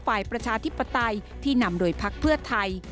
ประชาธิปไตยที่นำโดยพักเพื่อไทย